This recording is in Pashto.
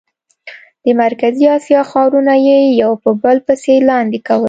د مرکزي اسیا ښارونه یې یو په بل پسې لاندې کول.